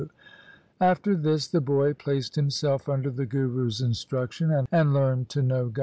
2 After this the boy placed himself under the Guru's instruction and learned to know God.